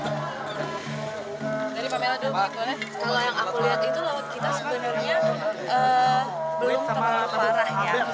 kalau yang aku lihat itu laut kita sebenarnya belum terparahnya